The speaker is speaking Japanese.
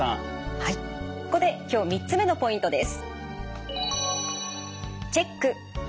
はいここで今日３つ目のポイントです。